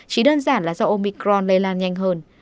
chỉ đơn giản là do omicron lây lan nhanh hơn